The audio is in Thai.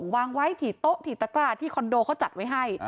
วางไว้ที่โต๊ะถี่ตะกร้าที่คอนโดเขาจัดไว้ให้